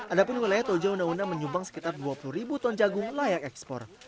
ada pun wilayah tojo unauna menyumbang sekitar dua puluh ribu ton jagung layak ekspor